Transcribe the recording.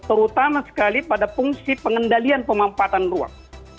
terutama sekali pada fungsi pengendalian pemampatan ruang